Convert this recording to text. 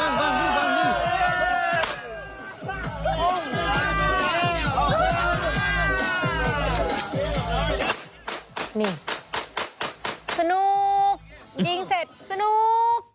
ยิงเสร็จสนุก